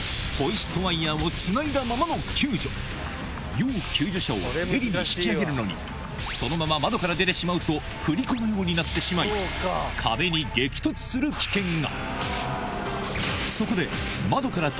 要救助者をヘリに引き上げるのにそのまま窓から出てしまうと振り子のようになってしまい壁に激突する危険が！